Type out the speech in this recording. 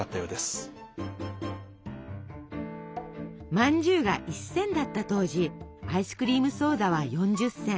まんじゅうが１銭だった当時アイスクリームソーダは４０銭。